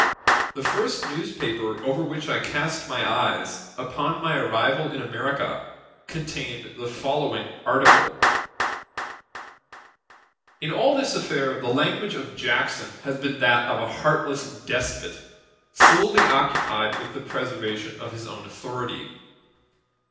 The first newspaper over which I cast my eyes, upon my arrival in America, contained the following article: In all this affair the language of Jackson has been that of a heartless despot, solely occupied with the preservation of his own authority.